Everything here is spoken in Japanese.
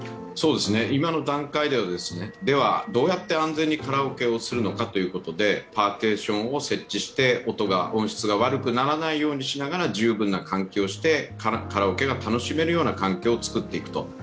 今の段階ではどうやって安全にカラオケをするのかというのでパーテーションを設置して音質が悪くならないようにしながら十分な換気をして、カラオケが楽しめるような環境を作っていくと。